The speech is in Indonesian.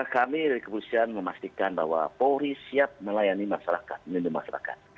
kami dari kepolisian memastikan bahwa polri siap melayani masyarakat melindungi masyarakat